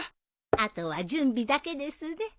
あとは準備だけですね。